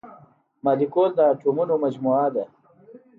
مالیکول د اتومونو مجموعه ده.